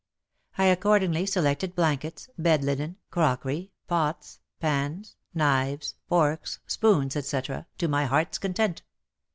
I accordingly selected blankets, bed linen, crockery, pots, pans, knives, forks, spoons, etc. to my heart's content.